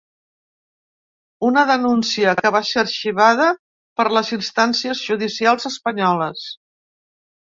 Una denúncia que va ser arxivada per les instàncies judicials espanyoles.